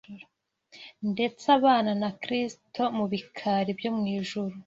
ndetse abana na Kristo mu bikari byo mu ijuru.